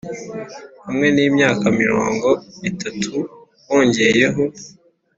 hamwe n'imyaka mirongo itatu wongeyeho,